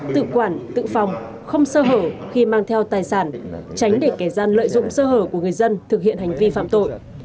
tự quản tự phòng không sơ hở khi mang theo tài sản tránh để kẻ gian lợi dụng sơ hở của người dân thực hiện hành vi phạm tội